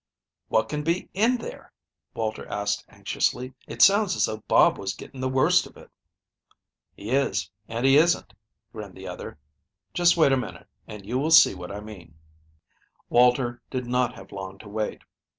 "What can be in there?" Walter asked anxiously. "It sounds as though Bob was getting the worst of it." "He is, and he isn't," grinned the other. "Just wait a minute and you will see what I mean." Walter did not have long to wait.